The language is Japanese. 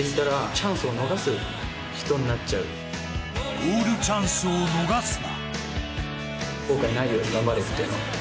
ゴールチャンスを逃すな。